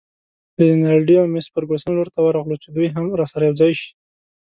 د رینالډي او مس فرګوسن لور ته ورغلو چې دوی هم راسره یوځای شي.